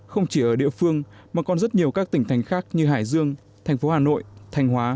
không chỉ ở địa phương mà còn rất nhiều các tỉnh thành khác như hải dương thành phố hà nội thanh hóa